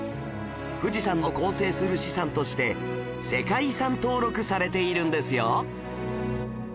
富士山を構成する資産として世界遺産登録されているんですよ